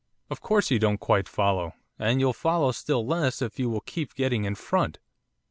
'Of course you don't quite follow, and you'll follow still less if you will keep getting in front.